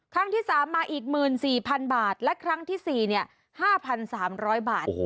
ครั้งที่๓มาอีก๑๔๐๐๐บาทและครั้งที่๔๕๓๐๐บาท